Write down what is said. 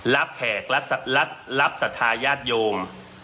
รับแขกรับสัทธายาชโยม